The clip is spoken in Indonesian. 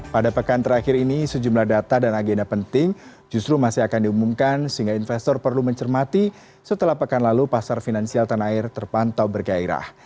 pada pekan terakhir ini sejumlah data dan agenda penting justru masih akan diumumkan sehingga investor perlu mencermati setelah pekan lalu pasar finansial tanah air terpantau bergairah